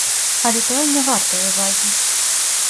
Але тое не вартае ўвагі.